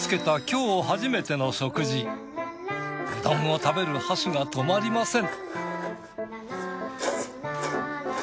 うどんを食べる箸が止まりません。